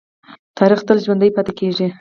تاریخ تل ژوندی پاتې کېږي.